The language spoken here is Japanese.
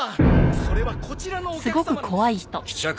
それはこちらのお客様のです。